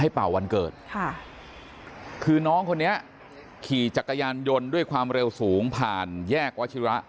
เป่าวันเกิดค่ะคือน้องคนนี้ขี่จักรยานยนต์ด้วยความเร็วสูงผ่านแยกวัชิระ